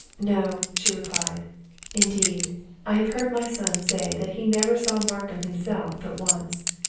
"No!" she replied. "Indeed, I have heard my son say that he never saw Markham himself but once.